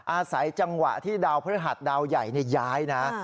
อาศัยจังหวะที่ดาวพระธรรมหัดดาวใหญ่เนี้ยย้ายน่ะอ่า